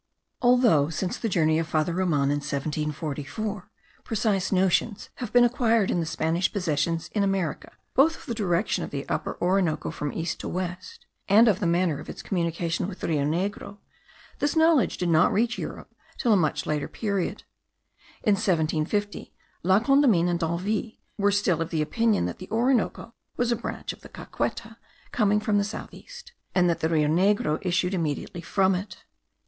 Although, since the journey of Father Roman, in 1744, precise notions have been acquired in the Spanish possessions in America, both of the direction of the Upper Orinoco from east to west, and of the manner of its communication with the Rio Negro, this knowledge did not reach Europe till a much later period. In 1750, La Condamine and D'Anville* were still of opinion that the Orinoco was a branch of the Caqueta coming from the south east, and that the Rio Negro issued immediately from it.